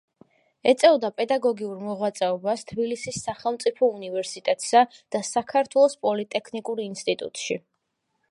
ეწეოდა პედაგოგიურ მოღვაწეობას თბილისის სახელმწიფო უნივერსიტეტსა და საქართველოს პოლიტექნიკურ ინსტიტუტში.